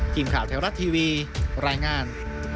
กลิ่นข่าวเทวรัฐทีวีรายงาน